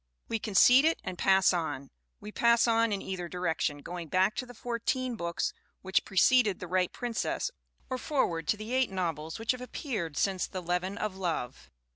We concede it and pass on. We pass on in either di rection, going back to the fourteen books which pre ceded The Right Princess or forward to the eight nov els which have appeared since The Leaven of Love.